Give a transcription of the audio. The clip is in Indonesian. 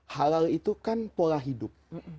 halal itu kan pola hidup